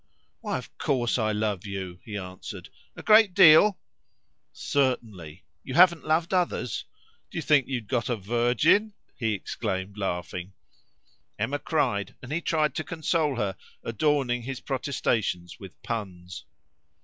"Why, of course I love you," he answered. "A great deal?" "Certainly!" "You haven't loved any others?" "Did you think you'd got a virgin?" he exclaimed laughing. Emma cried, and he tried to console her, adorning his protestations with puns.